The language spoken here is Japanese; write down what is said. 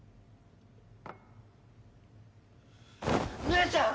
姉ちゃん！